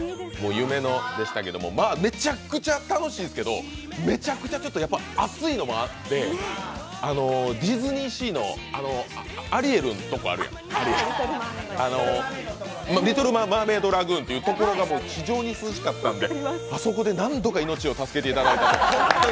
夢のでしたけど、めちゃくちゃ楽しいですけどめちゃくちゃ、ちょっと暑いのもあってディズニーシーのアリエルのとこあるじゃない、リトル・マーメイドラグーンというところが非常に涼しかったのであそこで何度か命を助けていただきました。